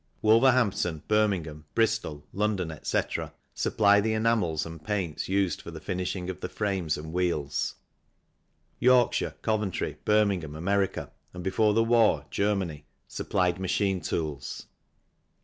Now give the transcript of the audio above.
Wolverhampton, Birmingham, Bristol, London, etc., supply the enamels and paints used for the finishing of the frames and wheels. Yorkshire, Coventry, Birmingham, America, and before the war, Germany, supplied machine tools.